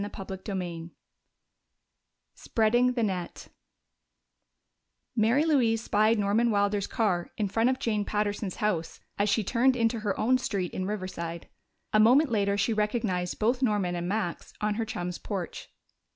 Chapter XVI Spreading the Net Mary Louise spied Norman Wilder's car in front of Jane Patterson's house as she turned into her own street in Riverside; a moment later she recognized both Norman and Max on her chum's porch.